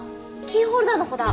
キーホルダーの子だ。